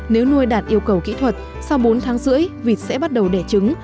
nếu nuôi đạt yêu cầu kỹ thuật sau bốn tháng rưỡi vịt sẽ bắt đầu đẻ trứng